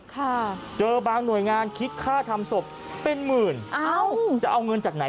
เอาศพไว้ในบ้าน๑๔ชั่วโมง